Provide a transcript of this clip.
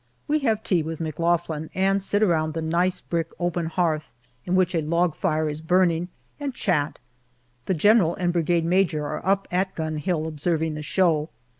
We have tea with McLaughlin and sit around the nice brick open hearth, in which a log fire is burning, and chat. The General and Brigade Major are up at Gun Hill observing the show.